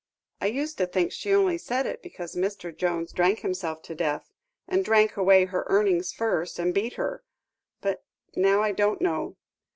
I used to think she only said it because Mr. Jones drank himself to death, and drank away her earnings first, and beat her. But, now, I don't know."